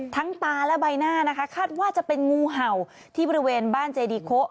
ตาและใบหน้านะคะคาดว่าจะเป็นงูเห่าที่บริเวณบ้านเจดีโค